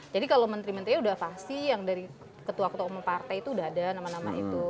jadi kalau menteri menterinya udah pasti yang dari ketua ketua umum partai itu udah ada nama nama itu